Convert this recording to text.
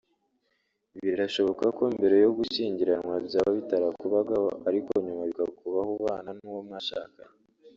Birashoboka ko mbere yo gushyingiranwa byaba bitarakubagaho ariko nyuma bikakubaho ubana n’uwo mwashakanye